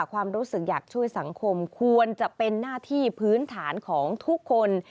ความรู้สึกอยากช่วยสังคมควรจะเป็นหน้าที่พื้นฐานของทุกคน